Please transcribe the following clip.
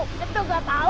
gitu gak tau